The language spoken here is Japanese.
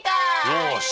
よし！